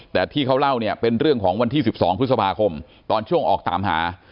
แต่ที่เขาเล่าเนี่ยเป็นเรื่องของวันที่๑๒พฤษภาคมตอนช่วงออกตามหา